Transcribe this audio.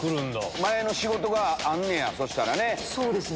前の仕事があんねやそしたらね。